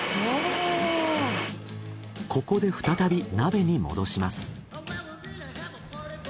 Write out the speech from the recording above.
ここで再び鍋に戻します。